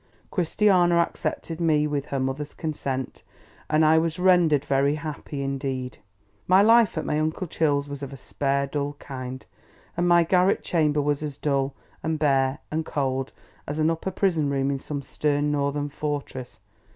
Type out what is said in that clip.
Christiana accepted me with her mother's consent, and I was rendered very happy indeed. My life at my uncle Chill's was of a spare dull kind, and my garret chamber was as dull, and bare, and cold, as an upper prison room in some stern northern fortress.